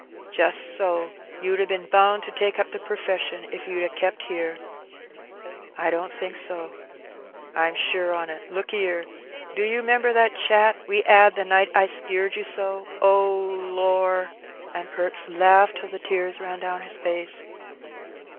^* Jist so ; you'd a been bound to take up the perfeshun if you 'ad kep' here." '' I don't think so." ^' I'm sure on it. Look 'ere : do you 'member that <3hat we 'ad that night I skeered yer so ? Oh, lor !" And Perks laughed till the tears ran down his face.